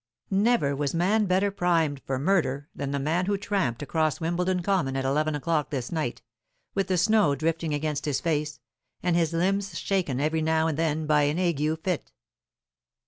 Never was man better primed for murder than the man who tramped across Wimbledon Common at eleven o'clock this night, with the snow drifting against his face, and his limbs shaken every now and then by an ague fit.